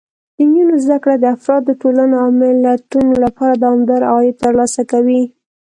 د نجونو زده کړه د افرادو، ټولنو او ملتونو لپاره دوامداره عاید ترلاسه کوي.